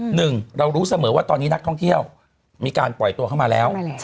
หนึ่งเรารู้เสมอว่าตอนนี้นักท่องเที่ยวมีการปล่อยตัวเข้ามาแล้ว